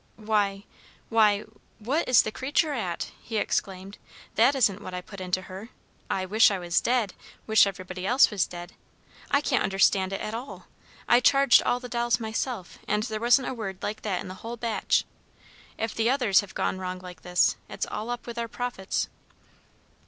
"Why why what is the creature at?" he exclaimed. "That isn't what I put into her. 'I Wish I was dead! Wish everybody else was dead!' I can't understand it at all. I charged all the dolls myself, and there wasn't a word like that in the whole batch. If the others have gone wrong like this, it's all up with our profits."